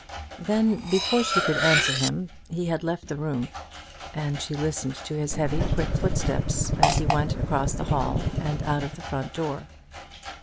Then, before she could answer him, he had left the room; and she listened to his heavy quick footsteps as he went across the hall and out of the front door.